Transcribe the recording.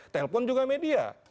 telepon juga media